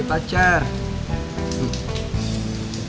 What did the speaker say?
aku mau ke rumah